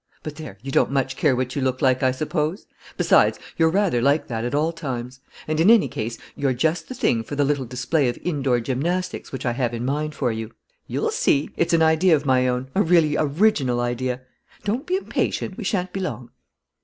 But there, you don't much care what you look like, I suppose? Besides, you're rather like that at all times; and, in any case, you're just the thing for the little display of indoor gymnastics which I have in mind for you. You'll see: it's an idea of my own, a really original idea. Don't be impatient: we shan't be long."